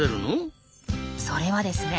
それはですね